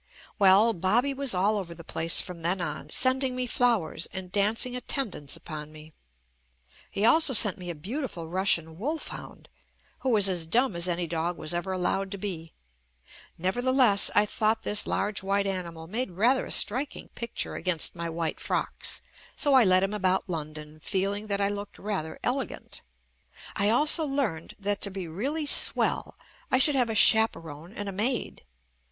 Well, Bobby was all over the place from then on, sending me flowers and dancing attendance upon me. He also sent me a beautiful Rus sian wolfhound, who was as dumb as any dog was ever allowed to be. Nevertheless, I thought this large white animal made rather a strik ing picture against my white frocks, so I led him about London feeling that I looked rather elegant. I also learned that to be really "swell" I should have a chaperone and a maid.